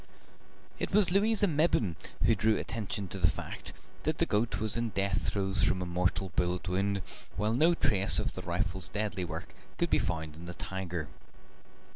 It was Louisa Mebbin who drew attention to the fact that the goat was in death throes from a mortal bullet wound, while no trace of the rifle's deadly work could be found on the tiger.